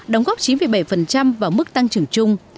đóng góp chín bảy vào mức tăng trưởng chung